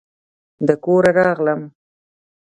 د کوره راغلم